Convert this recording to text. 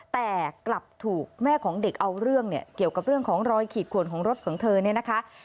แต่กลับถูกแม่ของเด็กเอาเรื่องเนี่ยเกี่ยวกับเรื่องของรอยขีดขวนของรถของเธอเนี่ยนะคะ